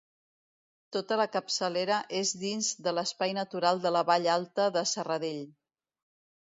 Tota la capçalera és dins de l'espai natural de la Vall Alta de Serradell.